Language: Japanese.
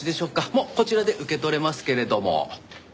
もうこちらで受け取れますけれども。